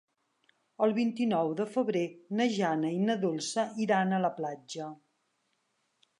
El vint-i-nou de febrer na Jana i na Dolça iran a la platja.